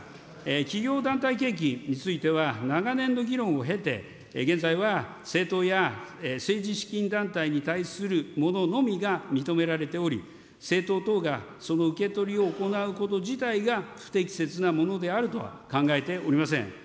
企業団体献金については、長年の議論を経て、現在は政党や政治資金団体に対するもののみが認められており、政党等がその受け取りを行うこと自体が不適切なものであるとは考えてはおりません。